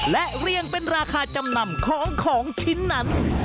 และเรียงเป็นราคาจำนำของของชิ้นนั้น